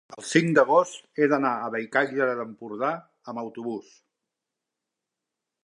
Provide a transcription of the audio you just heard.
el cinc d'agost he d'anar a Bellcaire d'Empordà amb autobús.